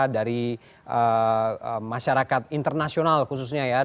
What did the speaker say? dari masyarakat internasional khususnya ya